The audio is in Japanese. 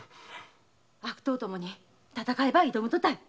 悪党どもに戦いば挑むとたい！